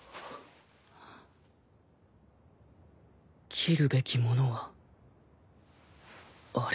斬るべきものはある